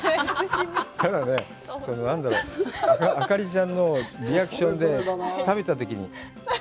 ただね、あかりちゃんのリアクションで、食べたときに。